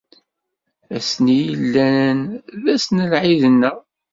Ass-nni yellan d ass n lɛid-nneɣ.